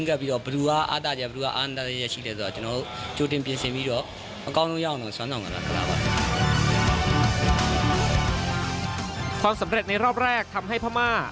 สำเร็จในรอบแรกทำให้พม่า